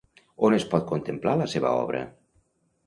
On es pot contemplar la seva obra?